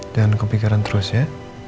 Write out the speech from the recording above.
jangan kepikiran terus ya